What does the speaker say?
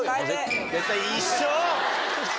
一緒！